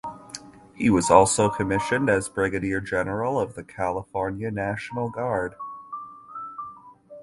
He was also commissioned as Brigadier General of the California National Guard.